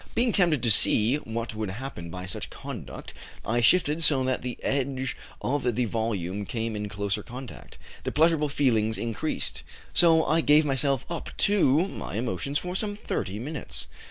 Being tempted to see what would happen by such conduct, I shifted so that the edge of the volume came in closer contact. The pleasurable feelings increased, so I gave myself up to my emotions for some thirty minutes.